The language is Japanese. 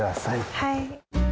はい。